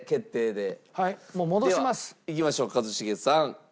ではいきましょう一茂さん。